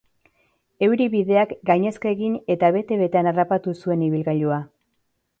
Euri-bideak gainezka egin eta bete-betean harrapatu zuen ibilgailua.